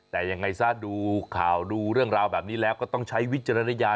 แต่ยังไงซะดูข่าวดูเรื่องราวแบบนี้แล้วก็ต้องใช้วิจารณญาณ